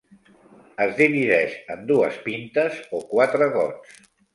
Es divideix en dues pintes o quatre gots.